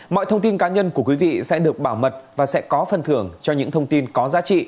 mọi thông tin cá nhân của quý vị sẽ được bảo mật và sẽ có phân thưởng cho những thông tin có